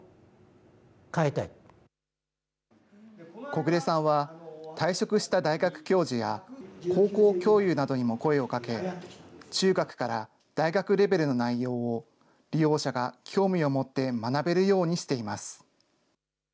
小暮さんは退職した大学教授や、高校教諭などにも声をかけ、中学から大学レベルの内容を、利用者が興味を持って学べるようにしています。